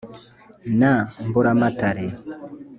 na mburamatare,